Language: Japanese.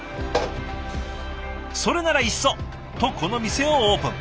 それならいっそ！とこの店をオープン。